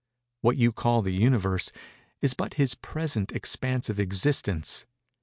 What you call The Universe is but his present expansive existence.